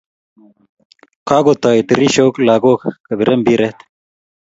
Kako toi tirishok lakok kipire mbiret